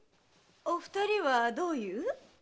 お二人はどういう？